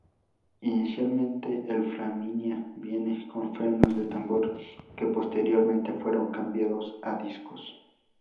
Inicialmente, el Flaminia viene con frenos de tambor, que posteriormente fueron cambiados a discos.